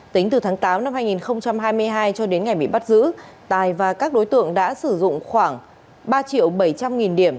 tính từ tháng tám năm hai nghìn hai mươi hai cho đến ngày bị bắt giữ tài và các đối tượng đã sử dụng khoảng ba triệu bảy trăm linh nghìn điểm